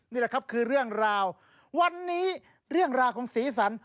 นี่แหละครับคือเรื่องราววันนี้เรื่องราวของสีสัน